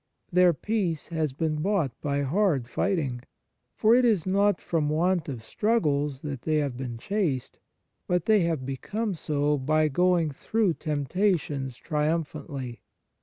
Their peace has been bought by hard fighting. For it is not from want of struggles that they have been chaste; but they have become so by going through temptations triumphantly.